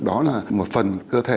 đó là một phần cơ thể